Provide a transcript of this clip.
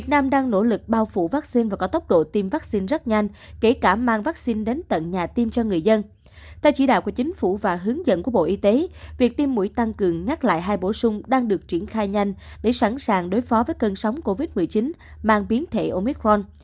trước khi được hướng dẫn của bộ y tế việc tiêm mũi tăng cường nhắc lại hai bổ sung đang được triển khai nhanh để sẵn sàng đối phó với cơn sóng covid một mươi chín mang biến thể omicron